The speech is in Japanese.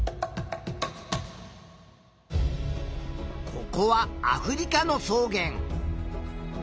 ここはアフリカの草原。